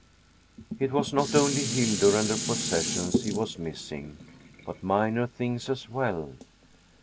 It was not only Hildur and her possessions he was missing, but minor things as well.